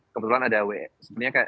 kebetulan ada yang ditinggalkan